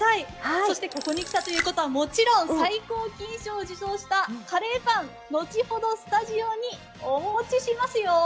そしてここに来たということは、もちろん最高金賞を受賞したカレーパン、後ほどスタジオにお持ちしますよ！